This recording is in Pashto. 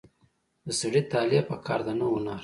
د سړي طالع په کار ده نه هنر.